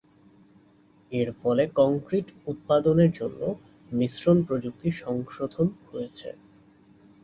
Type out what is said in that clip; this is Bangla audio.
এর ফলে কংক্রিট উৎপাদনের জন্য মিশ্রণ প্রযুক্তির সংশোধন হয়েছে।